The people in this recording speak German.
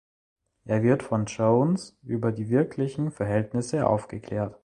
Er wird von Jones über die wirklichen Verhältnisse aufgeklärt.